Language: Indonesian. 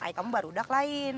kayak kamu baru dak lain